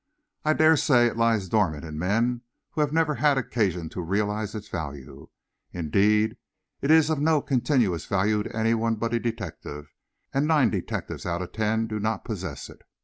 I dare say it lies dormant in men who have never had occasion to realize its value. Indeed, it is of no continuous value to anyone but a detective, and nine detectives out of ten do not possess it.